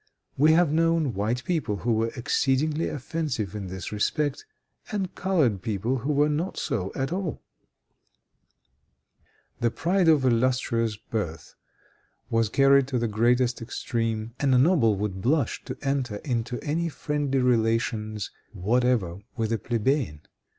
We have known white people who were exceedingly offensive in this respect, and colored people who were not so at all. [Footnote 8: Karamsin, tome vii., page 265.] The pride of illustrious birth was carried to the greatest extreme, and a noble would blush to enter into any friendly relations whatever with a plebeian.